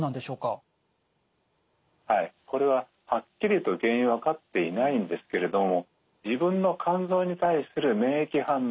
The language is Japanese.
これははっきりと原因は分かっていないんですけれども自分の肝臓に対する免疫反応が起きてしまうという病気なんですね。